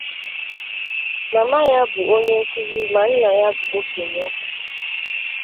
Mama ya bụ onye nkuzi, ma nna ya bụ okenye ụka.